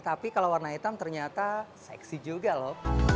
tapi kalau warna hitam ternyata seksi juga loh